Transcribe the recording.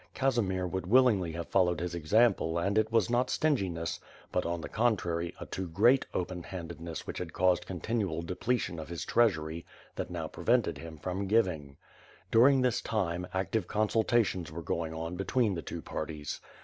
Casimir would willingly have followed his example and it was not stinginess, but on the contrary, a too great open* handedness which had caused continual depletion of his treas ury that now prevented him from giving. During this time, active consultations were going on between the two parties.